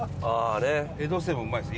江戸清もうまいです。